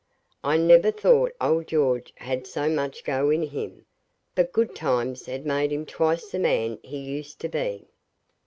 I never thought old George had so much go in him; but good times had made him twice the man he used to be.